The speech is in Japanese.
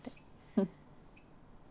フッ。